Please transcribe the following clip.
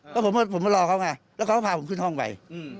ก็ผมมารอเขาไงแล้วก็เขาพาผมขึ้นห้องไป